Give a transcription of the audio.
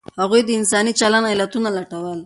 هغوی د انساني چلند علتونه لټول.